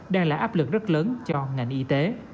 đang là áp lực rất lớn cho ngành y tế